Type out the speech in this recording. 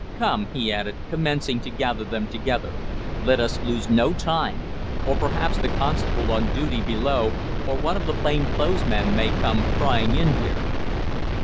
"Come," he added, commencing to gather them together. "Let us lose no time, or perhaps the constable on duty below or one of the plain clothes men may come prying in here."